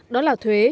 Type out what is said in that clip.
đó là thuế